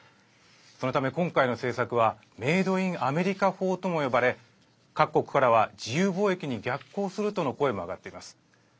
そのため、今回の政策はメイド・イン・アメリカ法とも呼ばれ各国からは自由貿易に逆行するとの声も上がっています。